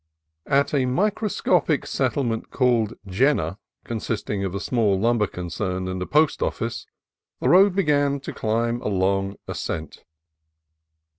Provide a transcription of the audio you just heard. At a microscopic settlement called Jenner, consisting of a small lumber concern and a post office, the road be gan to climb a long ascent.